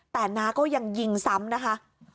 แต่น้าก็ยังยิงซ้ำนะคะ